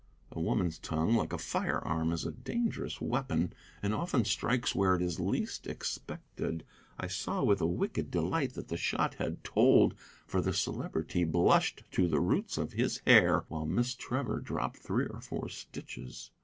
A woman's tongue, like a firearm, is a dangerous weapon, and often strikes where it is least expected. I saw with a wicked delight that the shot had told, for the Celebrity blushed to the roots of his hair, while Miss Trevor dropped three or four stitches.